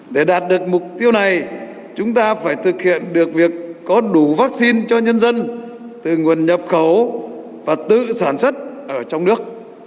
để đạt được mục tiêu này chúng ta phải thực hiện được việc có đủ vaccine cho nhân dân từ nguồn nhập khẩu và tự sản xuất ở trong nước